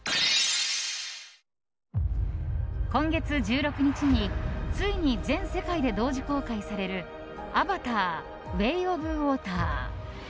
今月１６日についに全世界で同時公開される「アバター：ウェイ・オブ・ウォーター」。